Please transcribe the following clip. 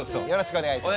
お願いします。